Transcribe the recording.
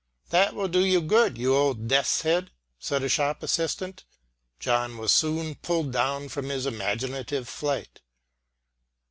"That will do you good, you old death's head!" said a shop assistant. John was soon pulled down from his imaginative flight.